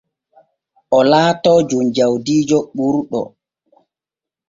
O laatoo jom jawdi ɓurɗo.